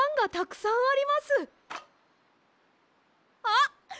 あっ！